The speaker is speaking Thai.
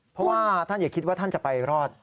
เพราะว่าท่านอย่าคิดว่าท่านจะไปรอด